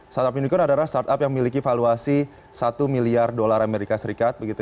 startup unicorn adalah startup yang memiliki valuasi satu miliar dolar amerika serikat